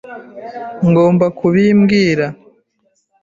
Ngomba kubibwira .